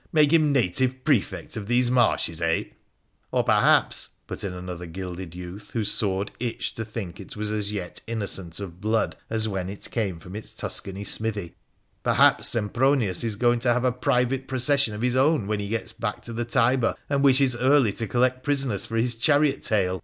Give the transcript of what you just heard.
Make him native Prefect of these marshes, eh ?'' Or, perhaps,' put in another gilded youth, whose sword itched to think it was as yet as innocent of blood as when it 1 8 WONDERFUL ADVENTURES OF came from its Tuscany smithy— 'perhaps Sempronius is going to have a private procession of his own when he gets back to the Tiber, and wishes early to collect prisoners for his chariot tail."